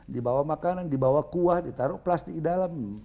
dibawa makanan dibawa kuah ditaruh plastik di dalam